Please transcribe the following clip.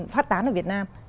phát tán ở việt nam